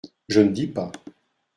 Je ne dis pas…